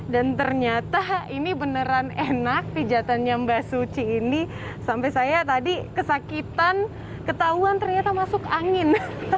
dan ternyata ini beneran enak pijatannya mbak suci ini sampai saya tadi kesakitan ketahuan ternyata masuk angin